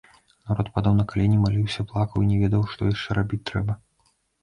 Народ падаў на калені, маліўся, плакаў і не ведаў, што яшчэ рабіць трэба.